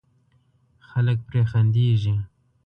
خلک پرې خندېږي.